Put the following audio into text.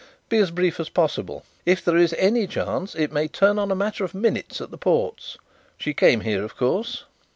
Be as brief as possible. If there is any chance it may turn on a matter of minutes at the ports. She came here, of course?"